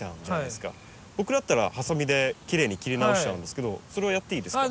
僕だったらハサミできれいに切り直しちゃうんですけどそれはやっていいですか？